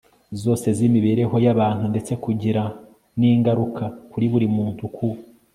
zose z'imibereho y'abantu ndetse kugira n'ingaruka kuri buri muntu ku